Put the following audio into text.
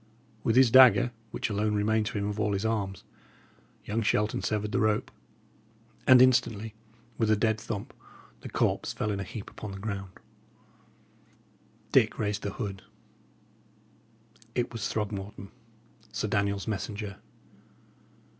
With his dagger, which alone remained to him of all his arms, young Shelton severed the rope, and instantly, with a dead thump, the corpse fell in a heap upon the ground. Dick raised the hood; it was Throgmorton, Sir Daniel's messenger.